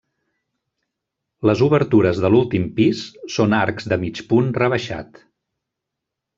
Les obertures de l'últim pis són arcs de mig punt rebaixat.